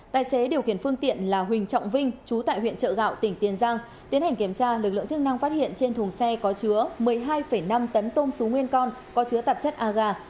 tài xế điều khiển phương tiện là huỳnh trọng vinh chú tại huyện trợ gạo tỉnh tiền giang tiến hành kiểm tra lực lượng chức năng phát hiện trên thùng xe có chứa một mươi hai năm tấn tôm xú nguyên con có chứa tạp chất aga